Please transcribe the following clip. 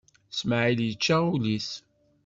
Smaɛil yečča ul-is.